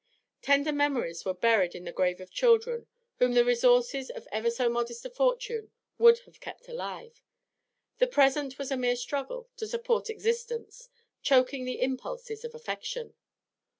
Tender memories were buried in the grave of children whom the resources of ever so modest a fortune would have kept alive; the present was a mere struggle to support existence, choking the impulses of affection.